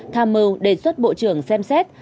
tham mưu đề xuất bộ trưởng xem xét